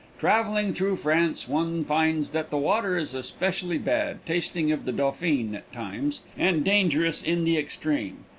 Traveling through France, one finds that the water is especially bad, tasting of the Dauphin at times, and dangerous in the extreme.